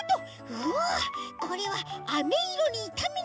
うわこれはあめいろにいためなければ。